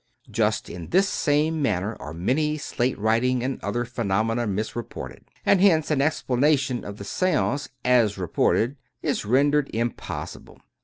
Just in this same manner, are many slate writing and other phenomena misreported, and hence an explanation of the seance, as reported, is ren dered impossible.